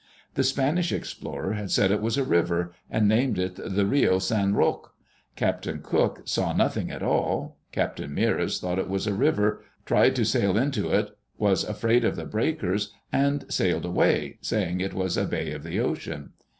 The Spanish explorer had said it was a river, and named it the Rio San Roque. Captain Cook saw nothing at all. Captain Meares thought it was a river, tried to sail into it, was afraid of the breakers, and sailed away, saying it was a bay of the ocean.